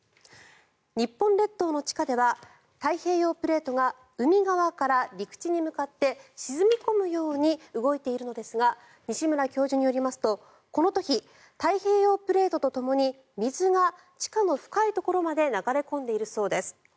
日本列島の地下では太平洋プレートが海側から陸地に向かって沈み込むように動いているのですが西村教授によりますとこの時、太平洋プレートとともに水が地下の深いところまで流れ込んでいるそうです。